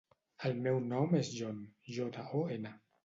El meu nom és Jon: jota, o, ena.